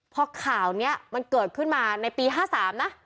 พอข่าวนี้มันเกิดขึ้นมาในปี๕๓นะ